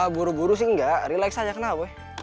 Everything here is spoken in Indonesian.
buru buru sih nggak relax aja kenapa boy